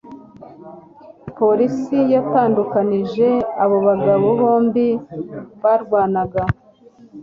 umupolisi yatandukanije abo bagabo bombi barwanaga